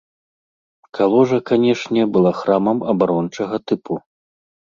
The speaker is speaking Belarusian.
Каложа, канешне, была храмам абарончага тыпу.